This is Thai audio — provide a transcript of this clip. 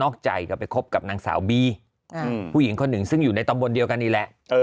ใจก็ไปคบกับนางสาวบีผู้หญิงคนหนึ่งซึ่งอยู่ในตำบลเดียวกันนี่แหละ